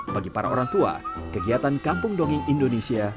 bagi para orang tua kegiatan kampung dongeng indonesia